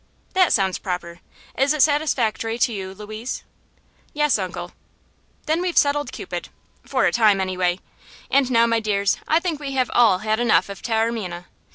"That sounds proper. Is it satisfactory to you, Louise?" "Yes, Uncle." "Then we've settled Cupid for a time, anyway. And now, my dears, I think we have all had enough of Taormina.